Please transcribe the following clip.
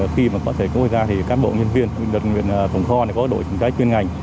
khi có thể cố xảy ra thì cán bộ nhân viên tổng kho có đội chữa cháy chuyên ngành